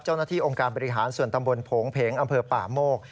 เจ้าหน้าที่องค์การบริหารส่วนตำบลโผงเพงอำเภอป่าโมก